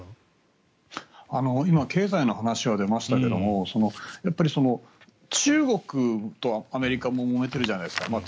今、経済の話が出ましたが中国とアメリカももめているじゃないですか。